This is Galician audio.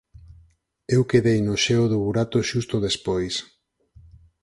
Eu quedei no xeo do burato xusto despois